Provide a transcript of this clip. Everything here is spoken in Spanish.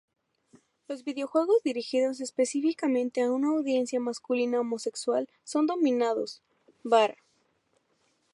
Los videojuegos dirigidos específicamente a una audiencia masculina homosexual son denominados "bara".